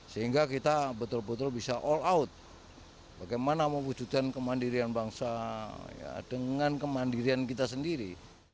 sehingga kita betul betul bisa all out bagaimana mewujudkan kemandirian bangsa dengan kemandirian kita sendiri